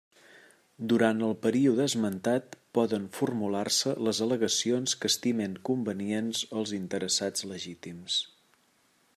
Durant el període esmentat poden formular-se les al·legacions que estimen convenients els interessats legítims.